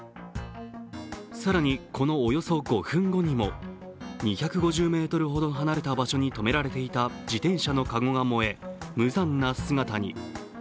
更に、このおよそ５分後にも、２５０ｍほど離れた場所に止められていた自転車のかごが燃え無惨な姿に。